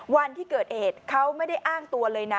วันที่เกิดเหตุเขาไม่ได้อ้างตัวเลยนะ